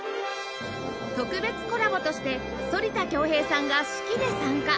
特別コラボとして反田恭平さんが指揮で参加